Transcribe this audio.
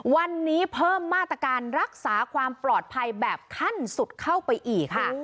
วันนี้เพิ่มมาตรการรักษาความปลอดภัยแบบขั้นสุดเข้าไปอีกค่ะ